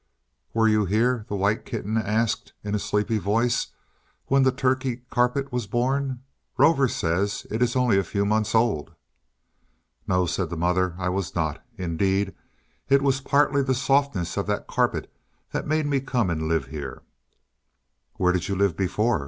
"Were you here," the white kitten asked, in a sleepy voice, "when the Turkey carpet was born? Rover says it is only a few months old." "No," said the mother, "I was not. Indeed, it was partly the softness of that carpet that made me come and live here." "Where did you live before?"